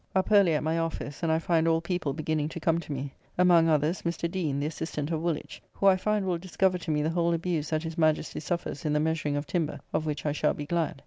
Up early at my office, and I find all people beginning to come to me. Among others Mr. Deane, the Assistant of Woolwich, who I find will discover to me the whole abuse that his Majesty suffers in the measuring of timber, of which I shall be glad.